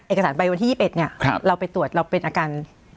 เอกสารใบวันที่ยี่สิบเอ็ดเนี้ยครับเราไปตรวจเราเป็นอาการ